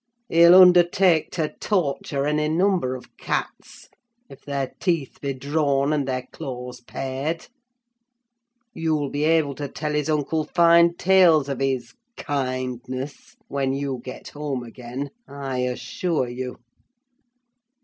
He'll undertake to torture any number of cats, if their teeth be drawn and their claws pared. You'll be able to tell his uncle fine tales of his kindness, when you get home again, I assure you."